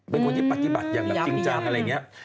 เป็นคนที่ปฏิบัติเหนียงจริงจามอะไรเงี้ย